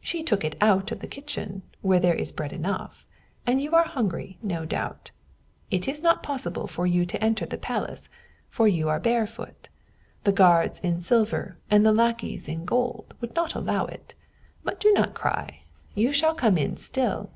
She took it out of the kitchen, where there is bread enough, and you are hungry, no doubt. It is not possible for you to enter the palace, for you are barefoot; the guards in silver and the lackeys in gold would not allow it: but do not cry, you shall come in still.